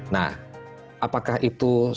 nah apakah itu sama